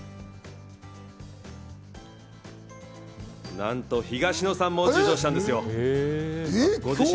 なんと東野さんも受賞したんですよ。